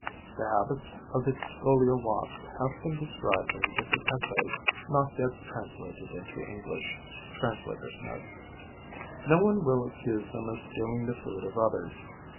(The habits of the Scolia wasp have been described in different essays not yet translated into English. Translator's Note.) No one will accuse them of stealing the food of others.